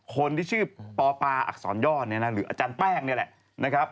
คนที่ชื่อปอปาอักษรย่อเนี่ยนะหรืออาจารย์แป้งนี่แหละนะครับ